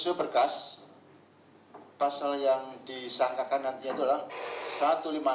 sesuai berkas pasal yang disangkakan nantinya adalah satu ratus lima puluh enam dan satu ratus lima puluh enam a huruf a kuhb